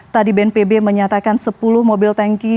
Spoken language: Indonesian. tadi bnpb menyatakan sepuluh mobil tanki